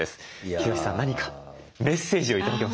ヒロシさん何かメッセージを頂けますか？